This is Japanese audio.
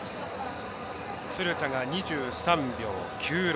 鶴田が２３秒９６。